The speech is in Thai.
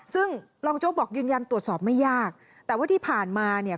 ซึ่งรองโจ๊กบอกยืนยันตรวจสอบไม่ยากแต่ว่าที่ผ่านมาเนี่ย